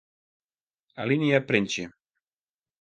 Alinea printsje.